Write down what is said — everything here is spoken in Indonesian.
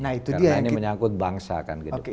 karena ini menyangkut bangsa ke depan